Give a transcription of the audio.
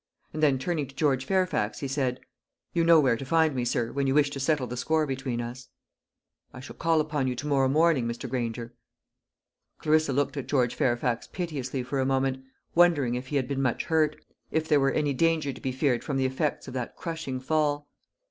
And then, turning to George Fairfax, he said, "You know where to find me, sir, when you wish to settle the score between us." "I shall call upon you to morrow morning, Mr. Granger." Clarissa looked at George Fairfax piteously for a moment, wondering if he had been much hurt if there were any danger to be feared from the effects or that crushing fall.